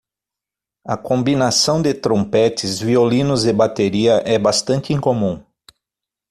A combinação de trompetes, violinos e bateria é bastante incomum.